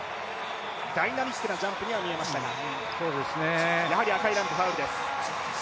ダイナミックなジャンプには見えましたがやはり赤いランプ、ファウルです。